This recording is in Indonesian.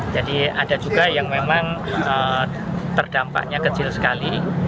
jadi ada juga yang memang terdampaknya kecil sekali